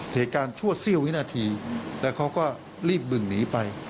เหตุการณ์ชั่วเสี้ยววินาทีแล้วเขาก็รีบบึ่งหนีไป